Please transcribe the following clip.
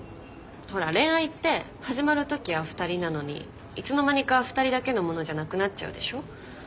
ほら恋愛って始まるときは二人なのにいつの間にか二人だけのものじゃなくなっちゃうでしょ？